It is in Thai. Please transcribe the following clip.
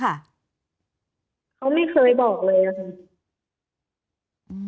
เขาไม่เคยบอกเลย